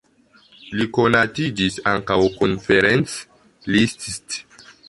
Li konatiĝis ankaŭ kun Ferenc Liszt.